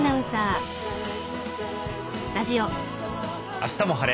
「あしたも晴れ！